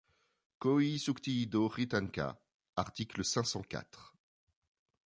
Coiisuctiido hritannka, article cinq cent quatre.